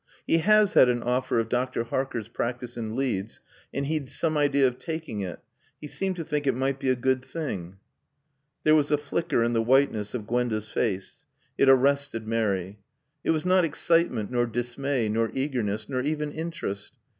"He has had an offer of Dr. Harker's practice in Leeds, and he'd some idea of taking it. He seemed to think it might be a good thing." There was a flicker in the whiteness of Gwenda's face. It arrested Mary. It was not excitement nor dismay nor eagerness, nor even interest.